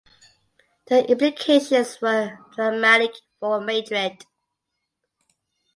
The implications were dramatic for Madrid.